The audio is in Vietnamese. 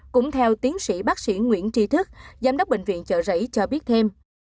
cũng theo tiến sĩ bác sĩ nguyễn tri thức giám đốc bệnh viện chợ rẫy cho biết thêm